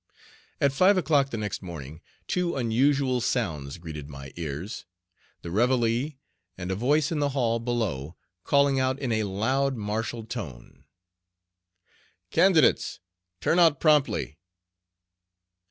At five o'clock the next morning two unusual sounds greeted my ears the reveille, and a voice in the hall below calling out in a loud martial tone: "Candidates, turn out promptly!"